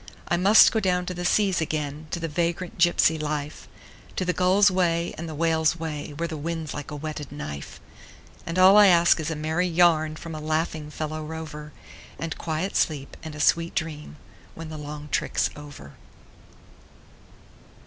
I must go down to the seas again, to the vagrant gypsy life, To the gull's way and the whale's way, where the wind's like a whetted knife; And all I ask is a merry yarn from a laughing fellow rover, And quiet sleep and a sweet dream when the long trick's over.